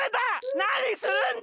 なにするんだ！